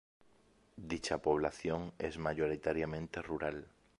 Dicha población es mayoritariamente rural.